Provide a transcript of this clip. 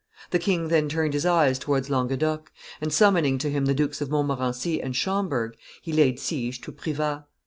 The king then turned his eyes towards Languedoc, and, summoning to him the Dukes of Montmorency and Schomberg, he laid siege to Privas.